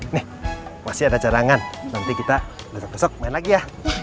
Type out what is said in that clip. nih masih ada cadangan nanti kita besok besok main lagi ya